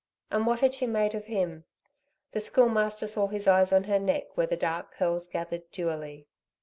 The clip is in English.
And what had she made of him? The Schoolmaster saw his eyes on her neck where the dark curls gathered dewily.